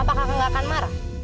apakah kakak gak akan marah